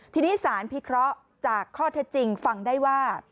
ทีนี้สารพิเคราะห์จากข้อเท็จจริงฟังได้ว่า